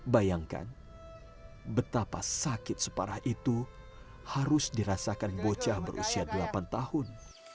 bayangkan betapa sakit separah itu harus dirasakan bocah berusia delapan tahun